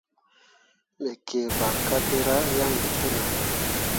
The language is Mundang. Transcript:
Me kǝǝ barkakkera yan ɓe te nah.